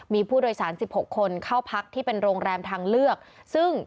มีผู้โดยสาร๑๖คนเข้าพักที่เป็นโรงแรมทางเลือกซึ่ง